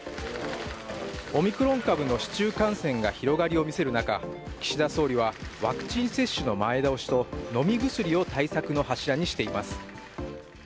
オミクロン株の市中感染が広がりを見せる中、岸田総理は、ワクチン接種の前倒しと飲み薬を対策の柱にしています。